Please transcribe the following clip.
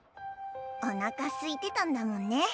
おなかすいてたんだもんね。